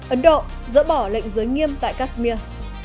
ấn độ dỡ bỏ lệnh giới nghiêm tại kashmir